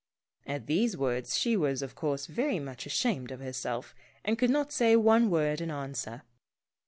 At these words, she was of course very much ashamed of herself, and could not say one word in answer.